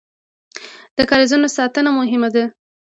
د کاریزونو ساتنه مهمه ده